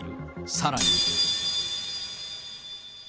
さらに。